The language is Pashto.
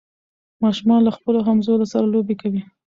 ماشومان له خپلو همزولو سره لوبې کوي.